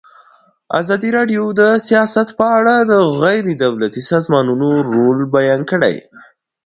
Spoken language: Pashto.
ازادي راډیو د سیاست په اړه د غیر دولتي سازمانونو رول بیان کړی.